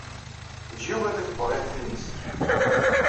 Ejj Yuba ad iḍebber iɣef-nnes.